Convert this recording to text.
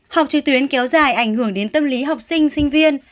học trực tuyến kéo dài ảnh hưởng đến tâm lý học sinh sinh viên